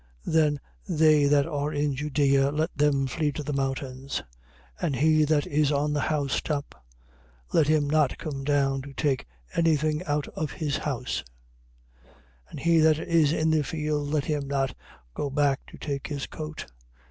24:16. Then they that are in Judea, let them flee to the mountains: 24:17. And he that is on the housetop, let him not come down to take any thing out of his house: 24:18. And he that is in the field, let him not go back to take his coat.